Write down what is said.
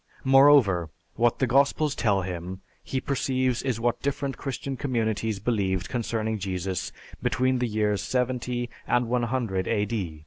Moreover, what the Gospels tell him, he perceives is what different Christian communities believed concerning Jesus between the years 70 and 100 A.